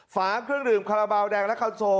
ฝาเครื่องดื่มคาราบาลแดงและคันโซ